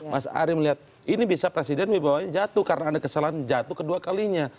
mas ari melihat ini bisa presiden wibawanya jatuh karena ada kesalahan jatuh kedua kalinya